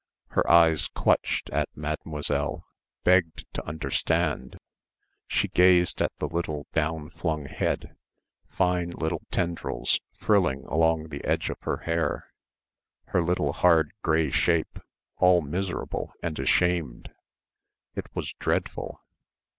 her eyes clutched at Mademoiselle, begging to understand ... she gazed at the little down flung head, fine little tendrils frilling along the edge of her hair, her little hard grey shape, all miserable and ashamed. It was dreadful.